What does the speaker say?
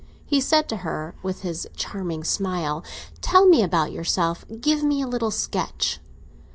He said to her, with his charming smile, "Tell me about yourself; give me a little sketch."